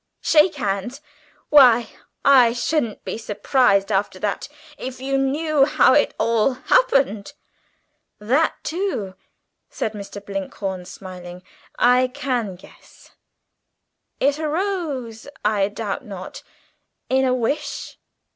Shake hands. Why, I shouldn't be surprised, after that, if you knew how it all happened?" "That too," said Mr. Blinkhorn smiling, "I can guess. It arose, I doubt not, in a wish?"